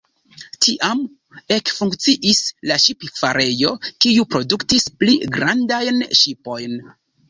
Tiam ekfunkciis la ŝipfarejo, kiu produktis pli grandajn ŝipojn.